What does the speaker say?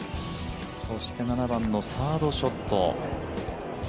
そして７番のサードショット。